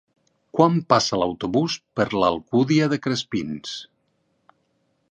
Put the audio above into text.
Quan passa l'autobús per l'Alcúdia de Crespins?